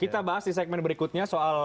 kita bahas di segmen berikutnya soal